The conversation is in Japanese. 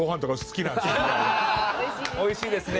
美味しいですね。